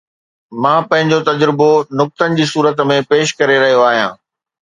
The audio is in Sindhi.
مان پنهنجو تجزيو نقطن جي صورت ۾ پيش ڪري رهيو آهيان.